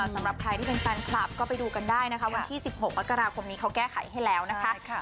สำหรับใครที่เป็นแฟนคลับก็ไปดูกันได้นะคะวันที่๑๖มกราคมนี้เขาแก้ไขให้แล้วนะคะ